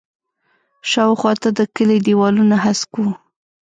شاوخوا ته د کلي دیوالونه هسک وو.